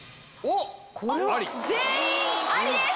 全員「あり」です！